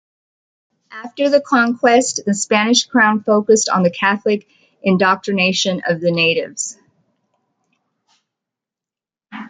After the conquest, the Spanish crown focused on the Catholic indoctrination of the natives.